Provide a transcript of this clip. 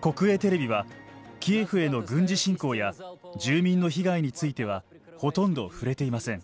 国営テレビはキエフへの軍事侵攻や住民の被害についてはほとんど触れていません。